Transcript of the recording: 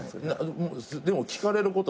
でも聞かれることない？